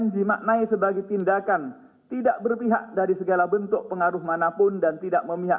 b aspek netralitas sebagai asn nantinya